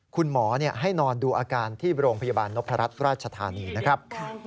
คุณหมอให้นอนดูอาการที่โรงพยาบาลนพรัชราชธานีนะครับ